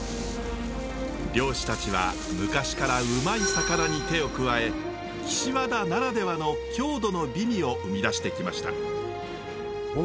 漁師たちは昔からうまい魚に手を加え岸和田ならではの郷土の美味を生み出してきました。